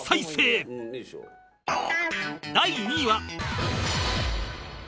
第２位は